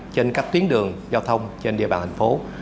trên các tuyến đường giao thông trên địa bàn thành phố